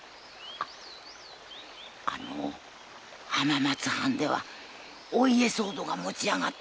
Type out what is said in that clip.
あのお浜松藩ではお家騒動が持ち上がってるって噂が。